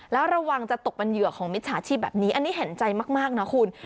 แล้วระวังจะตกบรรเยือกของมิตรศาสตร์ชีพแบบนี้อันนี้เห็นใจมากนะคุณ